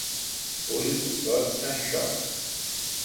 Vull un got d'anxoves.